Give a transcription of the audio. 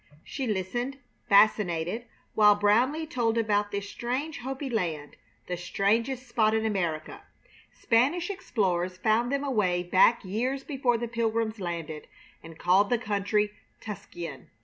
She listened, fascinated, while Brownleigh told about this strange Hopi land, the strangest spot in America. Spanish explorers found them away back years before the Pilgrims landed, and called the country Tuscayan.